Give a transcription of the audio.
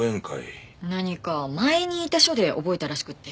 何か前にいた署で覚えたらしくって。